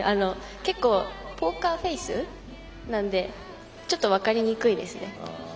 結構、ポーカーフェイスなのでちょっと分かりにくいですね。